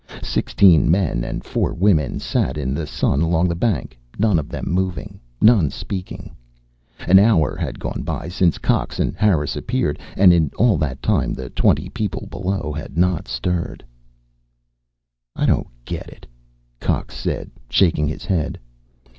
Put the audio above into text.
Sixteen men and four women sat in the sun along the bank, none of them moving, none speaking. An hour had gone by since Cox and Harris appeared, and in all that time the twenty people below had not stirred. "I don't get it," Cox said, shaking his head.